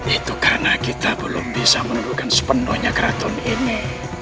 itu karena kita belum bisa menemukan sepenuhnya keraton ini